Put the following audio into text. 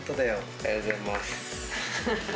ありがとうございます。